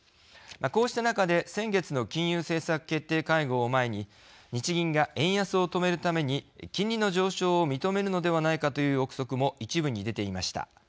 こうした中で先月の金融政策決定会合を前に日銀が円安を止めるために金利の上昇を認めるのではないかという臆測も一部に出ていました。